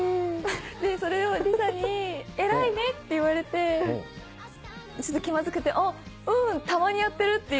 でそれを莉沙に「偉いね」って言われてちょっと気まずくて「あっうんたまにやってる」って。